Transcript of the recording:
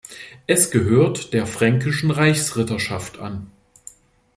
Es gehört der fränkischen Reichsritterschaft an.